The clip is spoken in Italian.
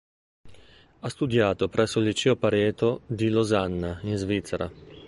Ha studiato presso il Liceo Pareto di Losanna in Svizzera.